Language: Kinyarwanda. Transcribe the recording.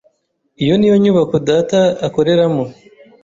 Iyo niyo nyubako data akoreramo.